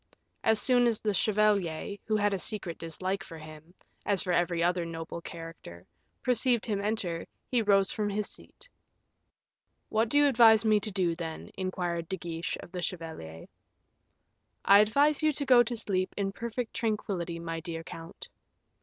As soon as the chevalier, who had a secret dislike for him, as for every other noble character, perceived him enter, he rose from his seat. "What do you advise me to do, then?" inquired De Guiche of the chevalier. "I advise you to go to sleep in perfect tranquillity, my dear count."